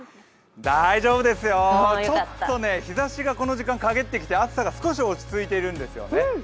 大丈夫ですよ、ちょっとこの時間日ざしが陰ってきて暑さが少し落ち着いているんですよね。